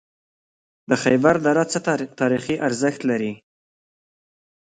د خیبر دره څه تاریخي ارزښت لري؟